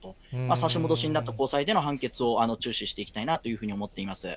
差し戻しになった、高裁での判決を注視していきたいなというふうに思っています。